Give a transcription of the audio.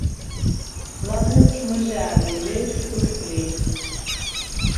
ლადეღშუ̂ მჷჟა̄̈რ ლი, ლე̄თშუ̂ – დოშდუ̂ლი̄რ.